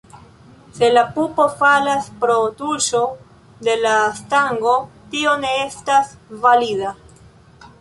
Se la pupo falas pro tuŝo de la stango, tio ne estas valida.